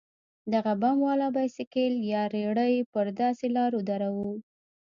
دغه بم والا بايسېکل يا رېړۍ پر داسې لارو دروو.